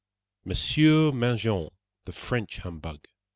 MONSIEUR MANGIN, THE FRENCH HUMBUG.